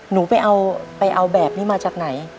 หนูไปเอาแบบนี้มาจากไหน